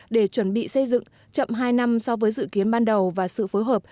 để chuẩn bị xây dựng chậm hai năm so với dự kiến ban đầu và sự phối hợp